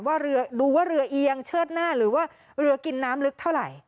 ว่าเรือดูว่าเรือเอียงเชิดหน้าหรือว่าเรือกินน้ำลึกเท่าไหร่